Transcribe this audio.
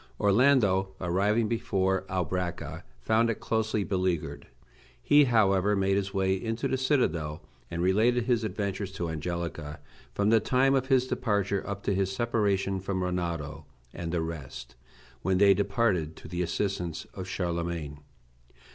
Orlando, arriving before Albracca, found it closely beleaguered. He, however, made his way into the citadel, and related his adventures to Angelica, from the time of his departure up to his separation from Rinaldo and the rest, when they departed to the assistance of Charlemagne.